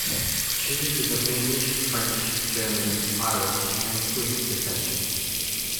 She is of English, French, German, Irish and Swiss descent.